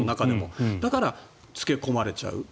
だから、付け込まれちゃう。